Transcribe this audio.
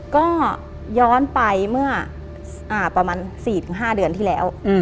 ก็ย้อนไปเมื่อประมาณ๔๕เดือนที่แล้ว